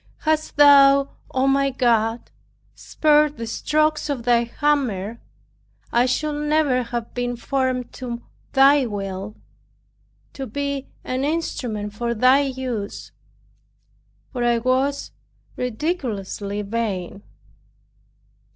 Hadst thou, O my God, spared the strokes of thy hammer, I should never have been formed to Thy will, to be an instrument for Thy use; for I was ridiculously vain.